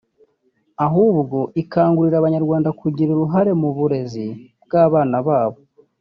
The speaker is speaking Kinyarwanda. ahubwo ikangurira Abanyarwanda kugira uruhare mu burezi bw’abana babo